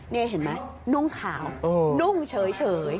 นี่เห็นไหมนุ่งขาวนุ่งเฉย